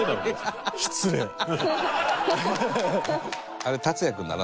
あれ達哉君だな？